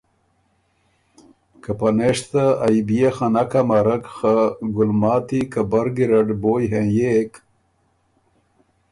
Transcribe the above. که پنېشته ائ بيې خه نک امرک خه ګلماتی که بر ګیرډ بویٛ هېںئېک